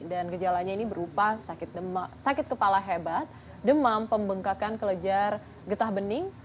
dan gejalanya ini berupa sakit kepala hebat demam pembengkakan kelejar getah bening